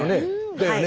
だよね。